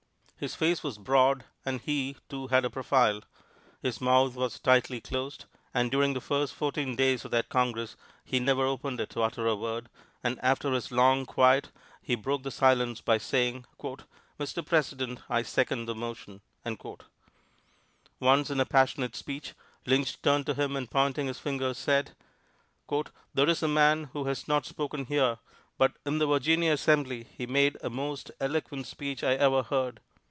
His face was broad, and he, too, had a profile. His mouth was tightly closed, and during the first fourteen days of that Congress he never opened it to utter a word, and after his long quiet he broke the silence by saying, "Mr. President, I second the motion." Once, in a passionate speech, Lynch turned to him and pointing his finger said: "There is a man who has not spoken here, but in the Virginia Assembly he made the most eloquent speech I ever heard.